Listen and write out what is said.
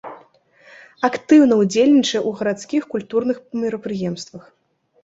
Актыўна ўдзельнічае ў гарадскіх культурных мерапрыемствах.